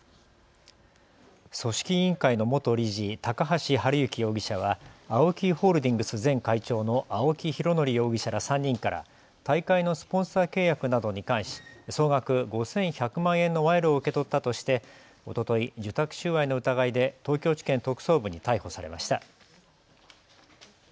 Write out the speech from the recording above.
組織委員会の元理事、高橋治之容疑者はＡＯＫＩホールディングス前会長の青木拡憲容疑者３人から大会のスポンサー契約などに関し総額５１００万円の賄賂を受け取ったとしておととい受託収賄の疑いで東京地検特捜部に逮捕されました。